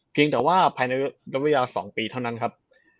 เพียงแต่ว่าภายในระยะเวลา๒ปีเท่านั้นครับ